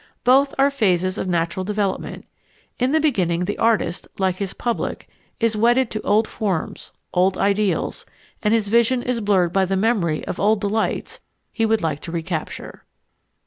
Both are phases of natural development. In the beginning the artist, like his public, is wedded to old forms, old ideals, and his vision is blurred by the memory of old delights he would like to recapture.